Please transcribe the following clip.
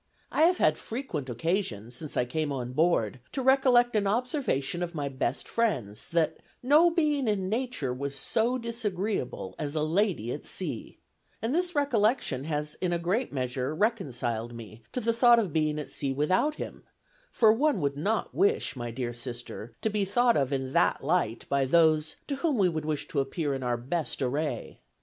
I have had frequent occasion, since I came on board, to recollect an observation of my best friend's, 'that no being in nature was so disagreeable as a lady at sea,' and this recollection has in a great measure reconciled me to the thought of being at sea without him; for one would not wish, my dear sister, to be thought of in that light by those, to whom we would wish to appear in our best array.